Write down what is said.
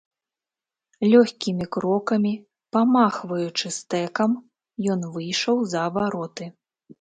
Лёгкімі крокамі, памахваючы стэкам, ён выйшаў за вароты.